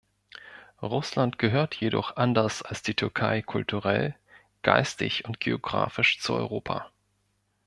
Russland gehört jedoch anders als die Türkei kulturell, geistig und geografisch zu Europa.